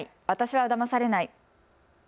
私はだまされない。